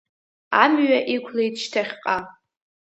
Амҩа иқәлеит шьҭахьҟа.